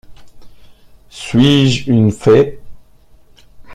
Suis-je une fée?